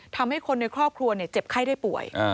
ทำให้คนในครอบครัวเจ็บไข้ได้ป่วย